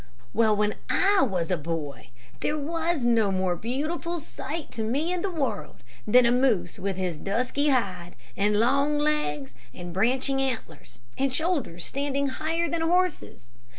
"Well, when I was a boy there was no more beautiful sight to me in the world than a moose with his dusky hide, and long legs, and branching antlers, and shoulders standing higher than a horse's.